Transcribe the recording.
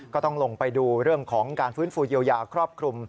ก็ต้องลงไปดูเรื่องของการฟื้นฟูเยียวยาครอบคลุม